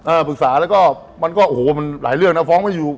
ปรึกษาแล้วก็มันก็โอ้โหมันหลายเรื่องนะฟ้องไม่อยู่